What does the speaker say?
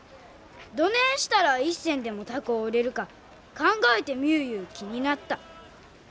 どねんしたら一銭でも高う売れるか考えてみゅういう気になった。